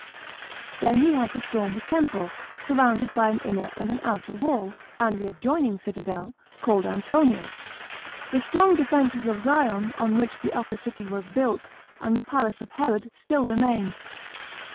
Then he had to storm the temple, surrounded by an inner and an outer wall, and the adjoining citadel, called Antonia. The strong defences of Zion, on which the upper city was built, and the palace of Herod, still remained.